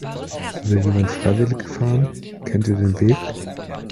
Will jemand freiwillig fahren? Kennt ihr den Weg?